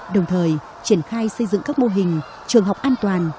đồng thời triển khai xây dựng các mô hình trường học an toàn